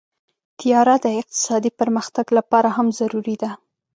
طیاره د اقتصادي پرمختګ لپاره هم ضروري ده.